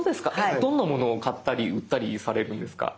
どんなものを買ったり売ったりされるんですか？